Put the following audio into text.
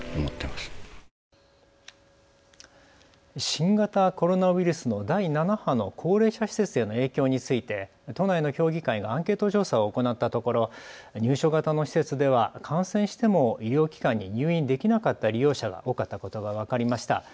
新型コロナウイルスの第７波の高齢者施設への影響について都内の協議会がアンケート調査を行ったところ入所型の施設では感染しても医療機関に入院できなかった利用者が多かったことが分かりました。